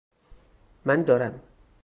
من دارم